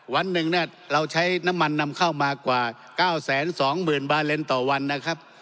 วันหนึ่งเนี่ยเราใช้น้ำมันนำเข้ามากว่าเก้าแสนสองหมื่นบาเลนต์ต่อวันนะครับ